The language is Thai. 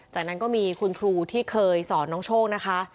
จากนั้นก็มีคุณครูที่เคยสอนน้องโชคนะคะ